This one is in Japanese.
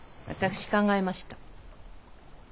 私考えました。